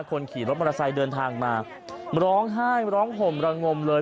คนขี่รถมอเตอร์ไซค์เดินทางมาร้องไห้ร้องห่มระงมเลย